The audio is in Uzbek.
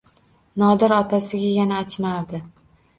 Nodir otasiga yana achinardi.